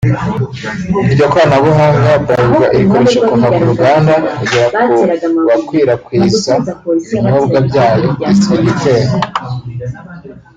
Iryo koranabuhanga Bralirwa irikoresha kuva ku ruganda kugera ku bakwirakwiza ibinyobwa byayo (distributeurs)